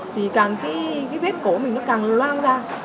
thì càng cái vết cổ mình nó càng loang ra